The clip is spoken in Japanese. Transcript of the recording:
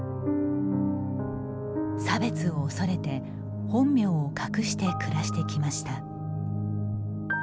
差別を恐れて本名を隠して暮らしてきました。